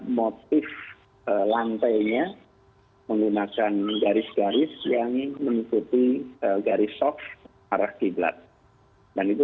maka tidak terlalu